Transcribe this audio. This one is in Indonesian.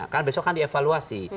karena besok kan dievaluasi